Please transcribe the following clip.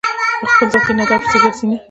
په خپل ذاتي نظر پسې نه ګرځي.